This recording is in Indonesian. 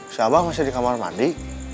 siapa masih di kamar mandi